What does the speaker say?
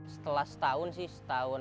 setelah setahun sih setahun